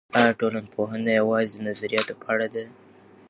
ایا ټولنپوهنه یوازې د نظریاتو په اړه ده؟